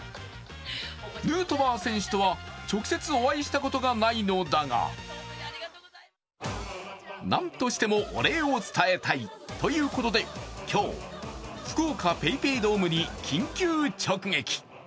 ヌートバー選手とは直接お会いしたことはないのだがなんとしてもお礼を伝えたいということで今日、福岡ＰａｙＰａｙドームに緊急直撃。